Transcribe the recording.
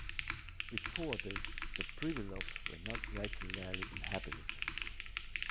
Before this the Pribilofs were not regularly inhabited.